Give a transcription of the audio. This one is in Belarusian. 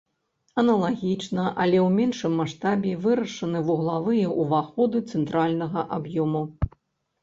Аналагічна, але ў меншым маштабе, вырашаны вуглавыя ўваходы цэнтральнага аб'ёму.